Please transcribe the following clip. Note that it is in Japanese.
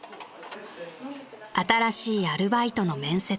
［新しいアルバイトの面接］